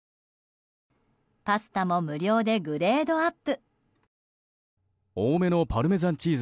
パスタも無料でグレードアップ。